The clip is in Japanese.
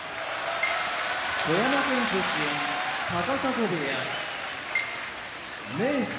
富山県出身高砂部屋明生